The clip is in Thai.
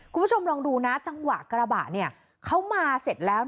คุณผู้ชมลองดูนะจังหวะกระบะเขามาเสร็จแล้ว